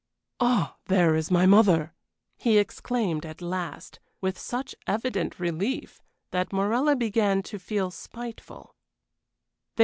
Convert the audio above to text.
"Ah, there is my mother!" he exclaimed, at last, with such evident relief that Morella began to feel spiteful.